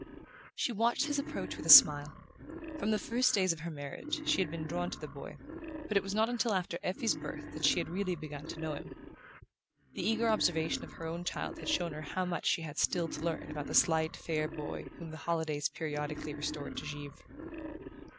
She watched his approach with a smile. From the first days of her marriage she had been drawn to the boy, but it was not until after Effie's birth that she had really begun to know him. The eager observation of her own child had shown her how much she had still to learn about the slight fair boy whom the holidays periodically restored to Givre.